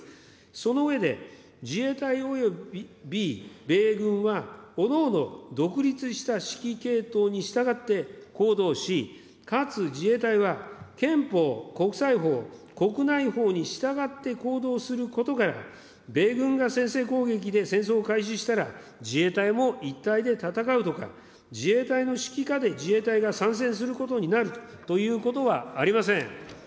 その上で、自衛隊及び米軍は、おのおの独立した指揮系統に従って行動し、かつ自衛隊は憲法、国際法、国内法に従って行動することから、米軍が先制攻撃で戦争を開始したら、自衛隊も一体で戦うとか、自衛隊の指揮下で自衛隊が参戦することになるということはありません。